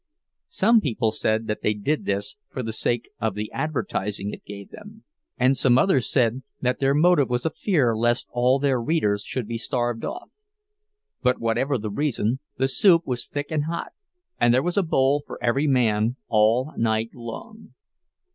Some people said that they did this for the sake of the advertising it gave them, and some others said that their motive was a fear lest all their readers should be starved off; but whatever the reason, the soup was thick and hot, and there was a bowl for every man, all night long.